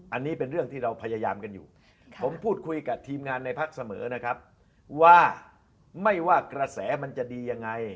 อันนี้เป็นเรื่องที่เราพยายามกันอยู่ผมพูดคุยกับทีมงานในพักเสมอนะครับว่าไม่ว่ากระแสมันจะดียังไง